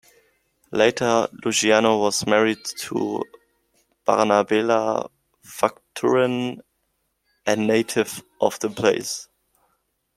Later, Luciano was married to Bernabela Facturan, a native of the place.